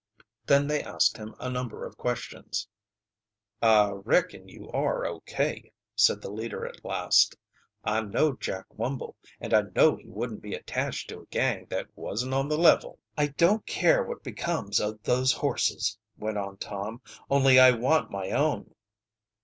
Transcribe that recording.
Then they asked him a number of questions. "I reckon you are O.K.," said the leader at last. "I know Jack Wumble, and I know he wouldn't be attached to a gang that wasn't on the level." "I don't care what becomes of those horses," went on Tom. "Only I want my own."